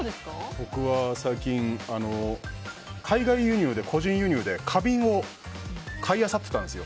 僕は、最近海外からの個人輸入で花瓶を買いあさっていたんですよ。